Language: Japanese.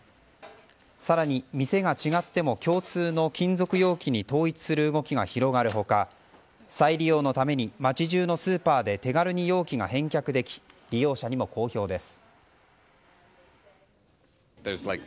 さらに店が違っても共通の金属容器に統一する動きが広がる他再利用のために街じゅうのスーパーで手軽に容器が返却でき利用者にも好評です。